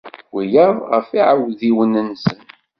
Wiyaḍ ɣef yiɛawdiwen-nsen.